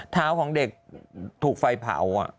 เท้าของเด็กถูกไฟเผา